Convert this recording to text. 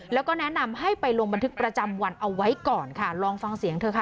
แล้วก็แนะนำให้ไปลงบันทึกประจำวันเอาไว้ก่อนค่ะลองฟังเสียงเธอค่ะ